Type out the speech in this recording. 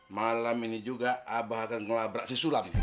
malam ini juga abah akan ngelabrak si sulam